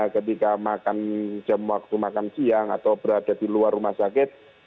ketika makan jam waktu makan siang atau berada di luar rumah sakit